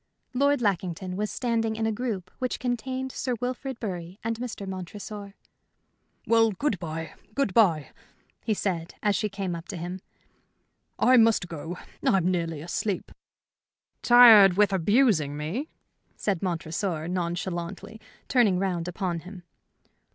Lord Lackington was standing in a group which contained Sir Wilfrid Bury and Mr. Montresor. "Well, good bye, good bye," he said, as she came up to him. "I must go. I'm nearly asleep." "Tired with abusing me?" said Montresor, nonchalantly, turning round upon him.